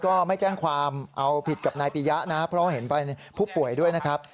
ก็ไม่แจ้งความเอาผิดกับนายปียะนะเพราะเห็นไปผู้ป่วยด้วยนะครับ